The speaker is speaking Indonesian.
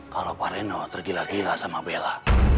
kalau pak reno tergila gila sama bella